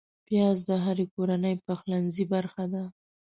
پیاز د هرې کورنۍ پخلنځي برخه ده